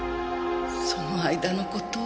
その間の事は。